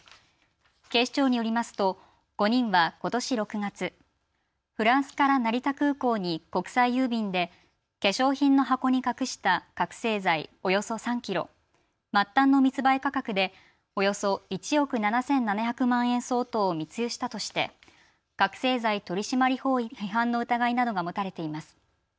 警視庁によりますと５人はことし６月、フランスから成田空港に国際郵便で化粧品の箱に隠した覚醒剤およそ３キロ、末端の密売価格でおよそ１億７７００万円相当を密輸したとして覚醒剤取締法違反の疑いなどが持たれています。